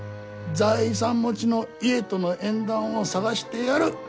財産持ちの家との縁談を探してやる。